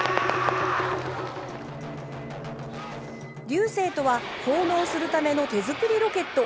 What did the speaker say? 龍勢とは奉納するための手作りロケット。